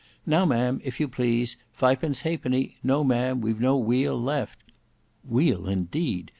"Now ma'am, if you please; fi'pence ha'penny; no, ma'am, we've no weal left. Weal, indeed!